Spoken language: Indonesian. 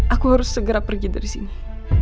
aku harus segera pergi dari sini